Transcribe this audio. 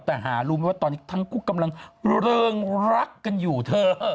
แต่หารู้ไหมว่าตอนนี้ทั้งคู่กำลังเริงรักกันอยู่เธอ